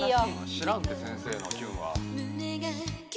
知らんて先生の「キュン」は。